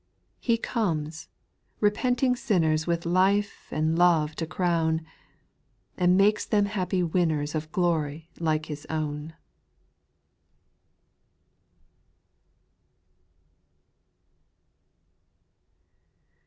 He comes, repenting sinners With life and love to crown, And make them happy winners Of glory like His own.